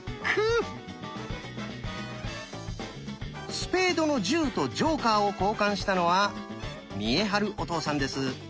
「スペードの１０」とジョーカーを交換したのは見栄晴お父さんです。